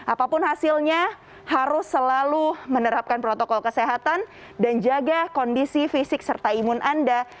apapun hasilnya harus selalu menerapkan protokol kesehatan dan jaga kondisi fisik serta imun anda